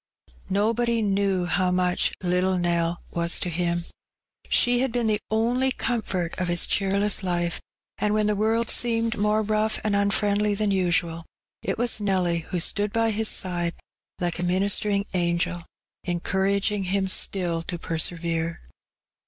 Nobody knew how much '^little Nell" was to him : she had been the only comfort of his cheerless life, and when the world seemed more rough and unfriendly than usual, it was Nelly who stood by his side like a minis tering angel, encouraging him still to persevere.